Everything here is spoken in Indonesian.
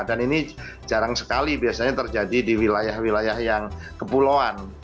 ini jarang sekali biasanya terjadi di wilayah wilayah yang kepulauan